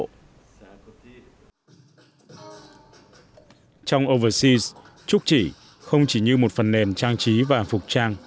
trong overseas trúc chỉ không chỉ như một phần nền trang trí và phục trang